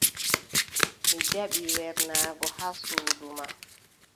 Mi jaɓi wernaago haa suudu ma.